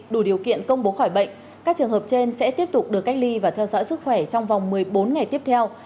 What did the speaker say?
đủ điều kiện công bố khỏi bệnh các trường hợp trên sẽ tiếp tục được cách ly và theo dõi sức khỏe trong vòng một mươi bốn ngày tiếp theo